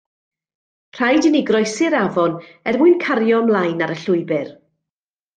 Rhaid i ni groesi'r afon er mwyn cario 'mlaen ar y llwybr.